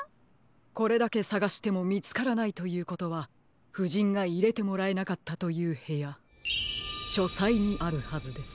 これだけさがしてもみつからないということはふじんがいれてもらえなかったというへやしょさいにあるはずです。